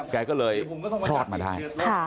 แกก็เลยคลอดมาได้